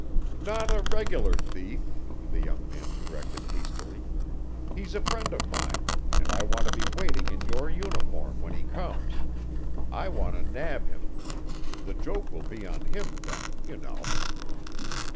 "Not a regular thief," the young man corrected hastily. "He's a friend of mine and I want to be waiting in your uniform when he comes. I want to nab him. The joke will be on him, then, you know."